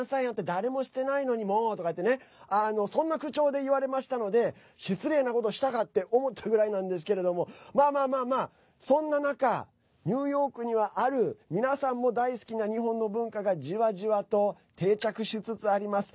誰もしてないのに、もう！とかいってそんな口調で言われましたので失礼なことしたかって思ったぐらいなんですけれどもそんな中、ニューヨークにはある皆さんも大好きな日本の文化がじわじわと定着しつつあります。